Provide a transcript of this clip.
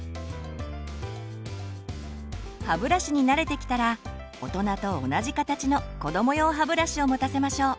歯ブラシに慣れてきたら大人と同じ形のこども用歯ブラシを持たせましょう。